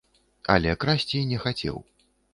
Але красці не хацеў.